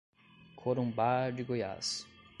Corumbá de Goiás